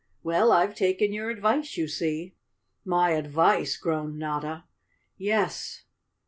Well, I've taken your advice, you see." "My advice!" groaned Notta. " Yes."